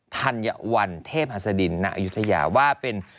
ธัญวันเทพฮาศดินนาอยุธยาว่าเป็น